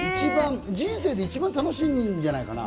人生で一番楽しいんじゃないかな。